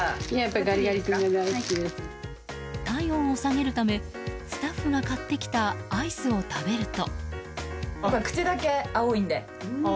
体温を下げるため、スタッフが買ってきたアイスを食べると。